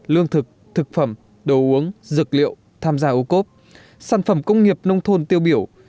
lương thực thực phẩm đồ uống dược liệu tham gia ô cốp sản phẩm công nghiệp nông thôn tiêu biểu